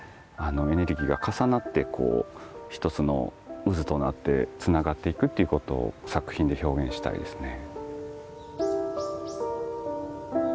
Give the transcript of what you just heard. エネルギーが重なってこう一つの渦となってつながっていくっていうことを作品で表現したいですね。